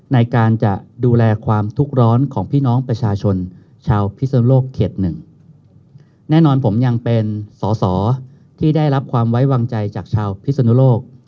ในการจะดูแลความทุกข์ร้อนของพี่น้องประชาชนชาวพิศนโลกเขตหนึ่งแน่นอนผมยังเป็นสอสอที่ได้รับความไว้วางใจจากชาวพิศนุโลก